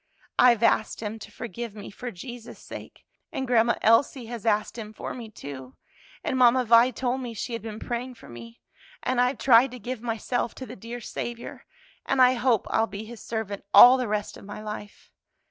I've asked Him to forgive me for Jesus' sake, and Grandma Elsie has asked Him for me, too, and Mamma Vi told me she had been praying for me. And I've tried to give myself to the dear Saviour, and I hope I'll be His servant all the rest of my life.